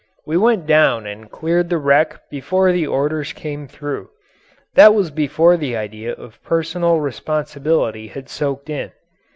We went down and cleared the wreck before the orders came through; that was before the idea of personal responsibility had soaked in.